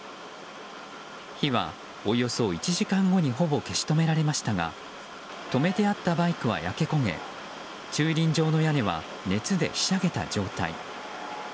火はおよそ１時間後にほぼ消し止められましたが止めてあったバイクは焼け焦げ駐輪場の屋根は熱でひしゃげた状態。